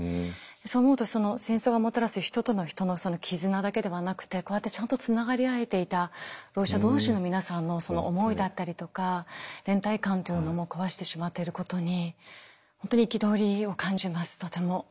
そう思うと戦争がもたらす人と人との絆だけではなくてこうやってちゃんとつながり合えていたろう者同士の皆さんの思いだったりとか連帯感というのも壊してしまっていることに本当に憤りを感じますとても。